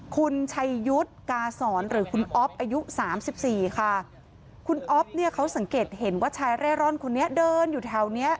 คุณชัยยุทธ์กาศรหรือคุณอ๊อฟอายุสามสิบสี่ค่ะคุณอ๊อฟเนี่ยเขาสังเกตเห็นว่าชายเร่ร่อนคนนี้เดินอยู่แถวเนี้ย